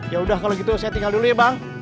ya udah kalau gitu saya tinggal dulu ya bang